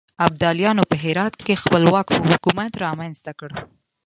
ابدالیانو په هرات کې خپلواک حکومت رامنځته کړ.